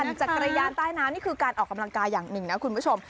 จักรยานใต้น้ำนี่คือการออกกำลังกายอย่างหนึ่งนะคุณผู้ชม